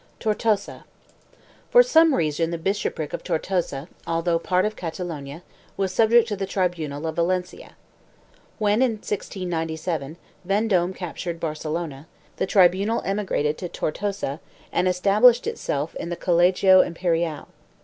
1 TORTOSA. For some reason the bishopric of Tortosa, although part of Catalonia, was subject to the tribunal of Valencia. When, in 1697, Vendome captured Barcelona, the tribunal emigrated to Tortosa and established itself in the Colegio Imperial.